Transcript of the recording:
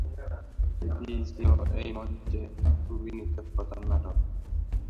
এটিই ছিল এই মঞ্চে অভিনীত প্রথম নাটক।